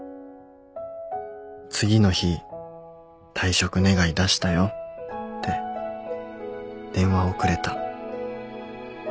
次の日退職願出したよって電話をくれた